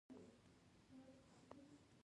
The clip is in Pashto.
باسواده نجونې د قلم په واسطه مبارزه کوي.